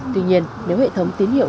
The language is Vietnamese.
tuy nhiên nếu hệ thống tín hiệu